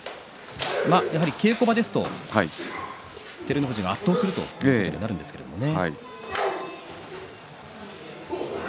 稽古場ですと照ノ富士が圧倒するということになるんですよね。